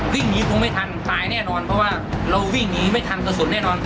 วิ่งหนีคงไม่ทันตายแน่นอนเพราะว่าเราวิ่งหนีไม่ทันกระสุนแน่นอน